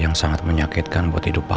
udah lama sih tapi